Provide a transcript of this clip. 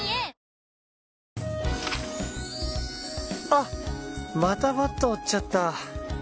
あっまたバット折ちゃった